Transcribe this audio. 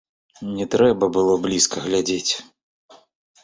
Не трэба было блізка глядзець.